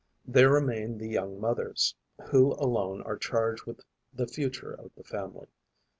There remain the young mothers, who alone are charged with the future of the family.